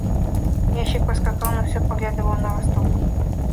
Ямщик поскакал; но все поглядывал на восток.